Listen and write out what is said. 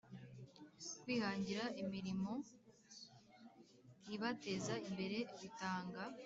Kwihangira imirimo ibateza imbere batanga